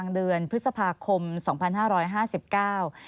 ใช่คือที่น้องเล่า